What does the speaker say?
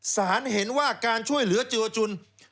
สารเห็นว่าการช่วยเหลือเจือจุน